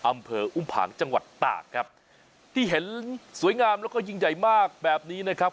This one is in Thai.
อำเภออุ้มผางจังหวัดตากครับที่เห็นสวยงามแล้วก็ยิ่งใหญ่มากแบบนี้นะครับ